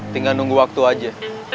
tinggal nunggu waktu aja